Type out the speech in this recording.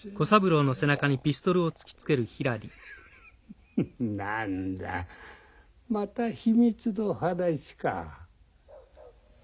フフ何だまた秘密の話か。